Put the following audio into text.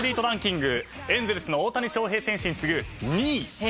エンゼルスの大谷翔平選手に次ぐ２位。